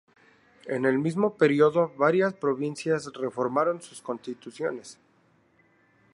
En el mismo período varias provincias reformaron sus constituciones.